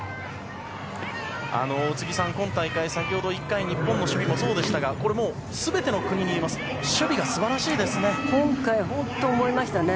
宇津木さん、今大会先ほど日本の１回も守備もそうでしたがこれは全ての国に言えますが守備が素晴らしいですね。